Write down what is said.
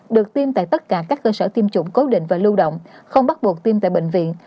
được tiêm tại tất cả các cơ sở tiêm chủng cố định và lưu động không bắt buộc tiêm tại bệnh viện